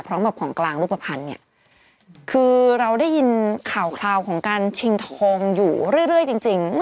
ของแบบของกลางรูปภัณฑ์เนี่ยคือเราได้ยินข่าวคราวของการชิงทองอยู่เรื่อยจริง